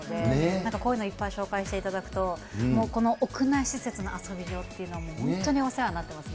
なんかこういうのをいっぱい紹介していただくと、もうこの屋内施設の遊び場っていうの、本当にお世話になってます